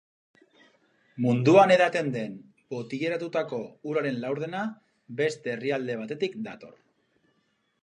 Munduan edaten den botilaratutako uraren laurdena beste herrialde batetik dator.